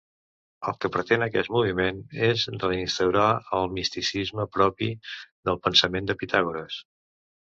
El que pretén aquest moviment és reinstaurar el misticisme propi del pensament de Pitàgores.